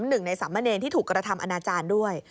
หนึ่งในสามเณรที่ถูกกระทำอนาจารย์ด้วย